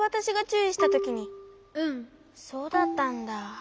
そうだったんだ。